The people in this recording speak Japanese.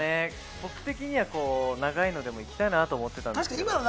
僕的には長いので行きたいなと思ってたんですけれども。